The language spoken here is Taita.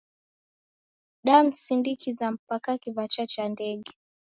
Damsindikiza mpaka kiw'acha cha ndege.